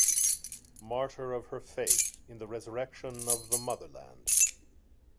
Martyr of her faith in the resurrection of the Motherland.